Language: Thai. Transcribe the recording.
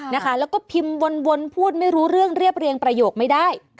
แล้วก็พิมพ์วนพูดไม่รู้เรื่องเรียบเรียงประโยคไม่ได้